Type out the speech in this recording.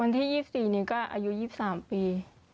ที่๒๔นี้ก็อายุ๒๓ปี